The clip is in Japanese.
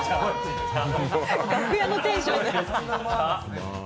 楽屋のテンション。